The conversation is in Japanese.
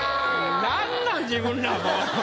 何なん自分らもう。